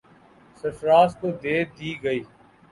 سرفراز کو دے دی گئی۔